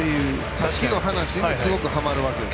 さっきの話にすごくはまるわけです。